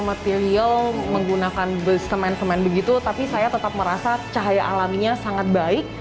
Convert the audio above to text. ini material menggunakan bes kemen kemen begitu tapi saya tetap merasa cahaya alaminya sangat baik